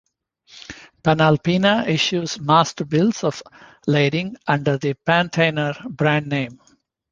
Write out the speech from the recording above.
Panalpina issues master bills of lading under the 'Pantainer' brand name.